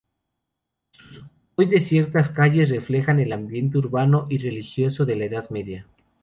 Sus hoy desiertas calles reflejan el ambiente urbano y religioso de la Edad Media.